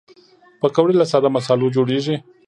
پکورې له ساده مصالحو جوړېږي